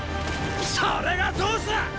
それがどうした！